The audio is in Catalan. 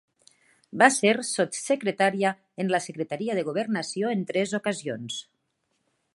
Va ser sotssecretària en la Secretaria de Governació en tres ocasions.